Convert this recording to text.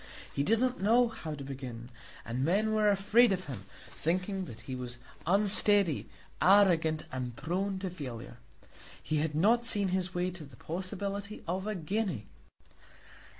He did not know how to begin, and men were afraid of him, thinking that he was unsteady, arrogant, and prone to failure. He had not seen his way to the possibility of a guinea.